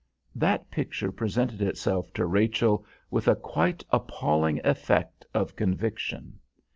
That picture presented itself to Rachel with a quite appalling effect of conviction.